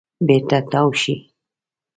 بېرته تاو شئ .